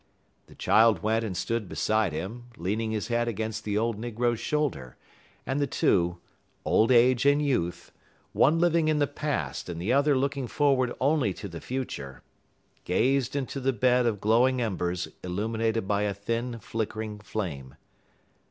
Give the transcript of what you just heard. The child went and stood beside him, leaning his head against the old negro's shoulder, and the two old age and youth, one living in the Past and the other looking forward only to the Future gazed into the bed of glowing embers illuminated by a thin, flickering flame.